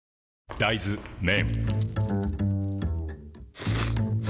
大豆麺